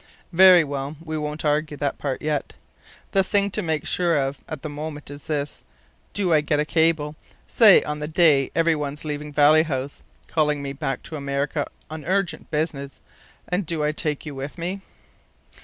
"Very well. We won't argue that part yet. The thing to make sure of at the moment is this: Do I get a cable, say on the day everyone's leaving Valley House, calling me back to America on urgent business, and do I take you with me?"